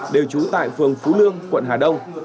đều trú tại phường phú lương quận hà đông